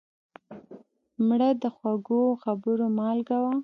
مړه د خوږو خبرو مالګه وه